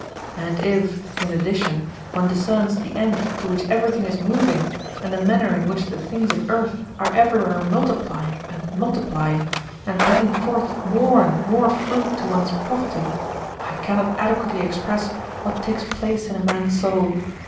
And if, in addition, one discerns the end to which everything is moving, and the manner in which the things of earth are everywhere multiplying and multiplying, and bringing forth more and more fruit to one's profiting, I cannot adequately express what takes place in a man's soul.